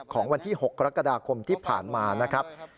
ของวันที่๖กรกฎาคมที่ผ่านมานะครับ